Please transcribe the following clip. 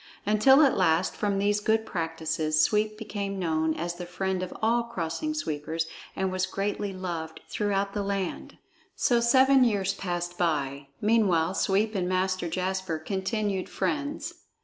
Until at last from these good practices Sweep became known as the friend of all Crossing Sweepers, and was greatly loved throughout the land. So seven years passed by. Meanwhile Sweep and Master Jasper continued friends.